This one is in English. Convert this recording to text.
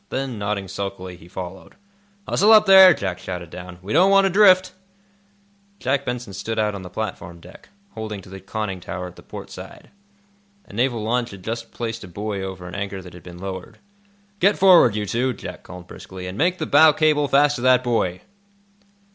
Then, nodding sulkily, he followed. "Hustle up, there!" Jack shouted down. "We don't want to drift." Jack Benson stood out on the platform deck, holding to the conning tower at the port side. A naval launch had just placed a buoy over an anchor that had been lowered. "Get forward, you two," Jack called briskly, "and make the bow cable fast to that buoy."